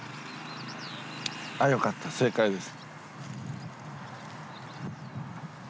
よかった正解です。